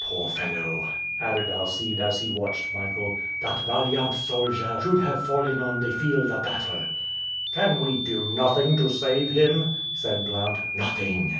"Poor fellow!" added Alcide, as he watched Michael. "That valiant soldier should have fallen on the field of battle!" "Can we do nothing to save him?" said Blount. "Nothing!"